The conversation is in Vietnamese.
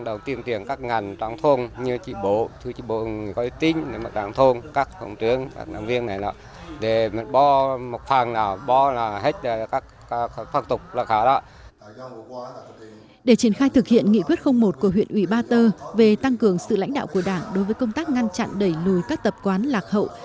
để triển khai thực hiện nghị quyết một của huyện ủy ba tơ về tăng cường sự lãnh đạo của đảng đối với công tác ngăn chặn đẩy lùi các tập quán lạc hậu